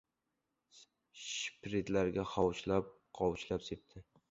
Shiptirlarga hovuchlab-hovuchlab sepdi.